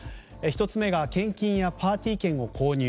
１つ目が献金やパーティー券を購入